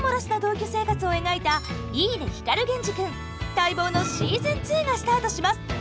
待望のしずん２がスタートします！